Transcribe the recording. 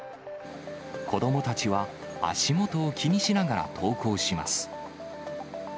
子どもたちは、足元を気にしながら登校します。